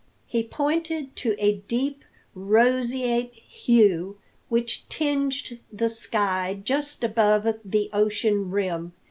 He pointed to a deep roseate hue which tinged the sky just above the ocean rim.